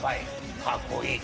かっこいい！と。